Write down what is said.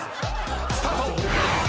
［スタート！］